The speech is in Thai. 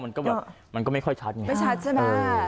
มันก็แบบมันก็ไม่ค่อยชัดไงไม่ชัดใช่ไหม